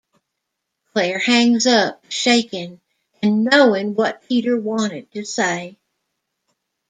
Claire hangs up, shaken and knowing what Peter wanted to say.